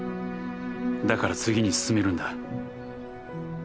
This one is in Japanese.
だから次に進めるんだ。